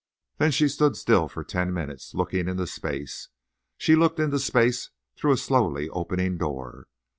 Then she stood still for ten minutes, looking into space. She looked into space through a slowly opening door.